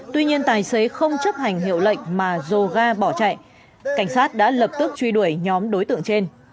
tuy nhiên tài xế không chấp hành hiệu lệnh mà dồ ga bỏ chạy cảnh sát đã lập tức truy đuổi nhóm đối tượng trên